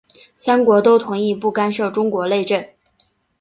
三国都同意不干涉中国内政。